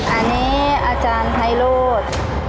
อันนี้อาจารย์ไพโรธ